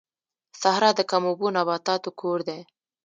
صحرا د کم اوبو نباتاتو کور دی